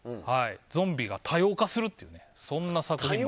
ゾンビが多様化するというそんな作品を。